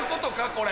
これ。